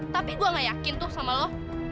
tapi gue gak yakin tuh sama lo